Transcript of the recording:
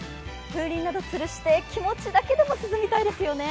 風鈴などつるして気持ちだけでも涼みたいですよね。